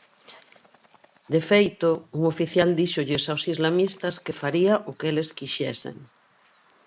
"De feito, un oficial díxolles aos islamitas que faría o que eles quixesen".